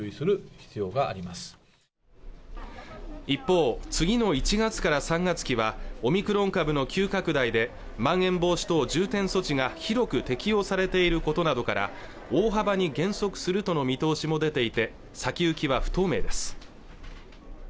一方次の１月から３月期はオミクロン株の急拡大でまん延防止等重点措置が広く適用されていることなどから大幅に減速するとの見通しも出ていて先行きは不透明です